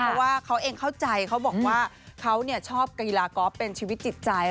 เพราะว่าเขาเองเข้าใจเขาบอกว่าเขาชอบกีฬากอล์ฟเป็นชีวิตจิตใจ